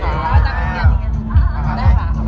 เขาคิดแบบว่าก็สวยที